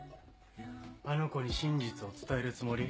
あの子に真実を伝えるつもり？